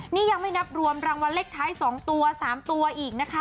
นี่ยังไม่นับรวมรางวัลเลขท้าย๒ตัว๓ตัวอีกนะคะ